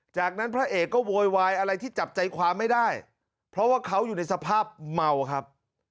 จากนั้นพระเอกก็โวยวายอะไรที่จับใจความไม่ได้เพราะว่าเขาอยู่ในสภาพเมาครับ